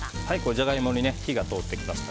ジャガイモに火が通ってきました。